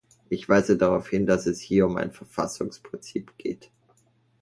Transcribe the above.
Ich weise darauf hin, dass es hier um ein Verfassungsprinzip geht.